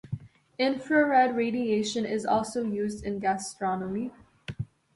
Infrared radiation is also used in gastronomy.